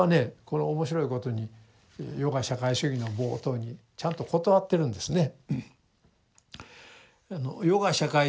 この面白いことに「余が社会主義」の冒頭にちゃんと断ってるんですね。